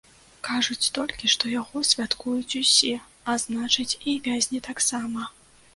Кажуць толькі, што яго святкуюць усе, а значыць, і вязні таксама.